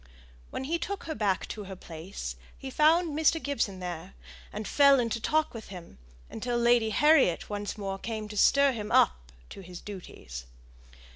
When he took her back to her place, he found Mr. Gibson there, and fell into talk with him, until Lady Harriet once more came to stir him up to his duties.